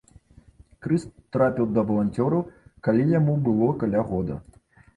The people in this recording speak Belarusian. Крыс трапіў да валанцёраў калі яму было каля года.